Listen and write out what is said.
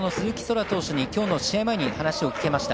天投手に今日の試合前に話を聞けました。